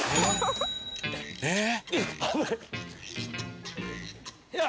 えっ？